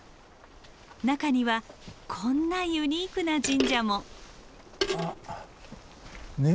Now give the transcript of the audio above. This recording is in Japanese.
中にはこんなユニークな神社も。